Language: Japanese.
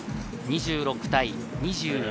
２６対２２。